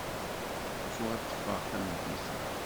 Ttwaṭṭfeɣ tameddit-a.